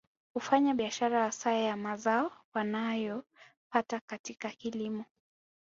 Hufanya biashara hasa ya mazao wanayo pata katika kilimo